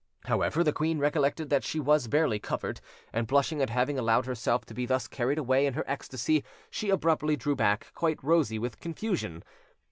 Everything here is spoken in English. However, the queen recollected that she was barely covered, and blushing at having allowed herself to be thus carried away in her ecstasy, she abruptly drew back, quite rosy with confusion.